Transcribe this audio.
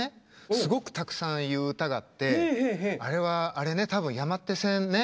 すごくたくさん言う歌があってあれは、たぶん山手線ね。